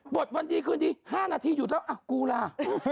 บทวันดีคืนนี้๕นาทีอยู่แล้วอ่ะกูล่า